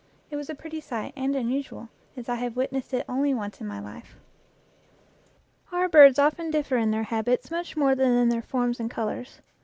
It was a pretty sight and un usual, as I have witnessed it only once in my life. Our birds often differ in their habits much more than in their forms and colors.